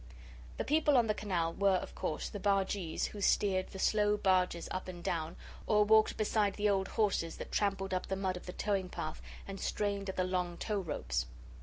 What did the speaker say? The people on the canal were, of course, the bargees, who steered the slow barges up and down, or walked beside the old horses that trampled up the mud of the towing path, and strained at the long tow ropes.